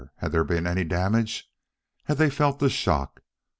Had there been any damage? Had they felt the shock?